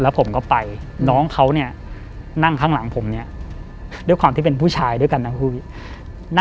แล้วผมก็ไปน้องเขานี่นั่งข้างหลังผมเนี้ยเดี๋ยวความที่เป็นผู้ชายด้วยกันน่ะ